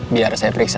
biar saya periksa